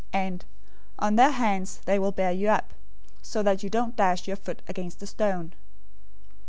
and, 'On their hands they will bear you up, so that you don't dash your foot against a stone.'"